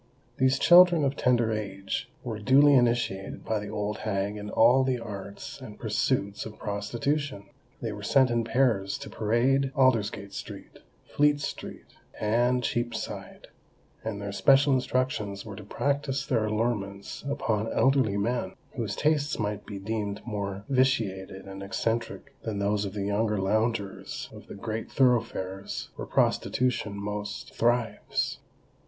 These children of tender age were duly initiated by the old hag in all the arts and pursuits of prostitution. They were sent in pairs to parade Aldersgate Street, Fleet Street, and Cheapside; and their special instructions were to practise their allurements upon elderly men, whose tastes might be deemed more vitiated and eccentric than those of the younger loungers of the great thoroughfares where prostitution most thrives.